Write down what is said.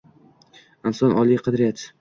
Inson – oliy qadriyat.